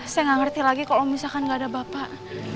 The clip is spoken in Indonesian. saya gak ngerti lagi kalo misalkan gak ada bapak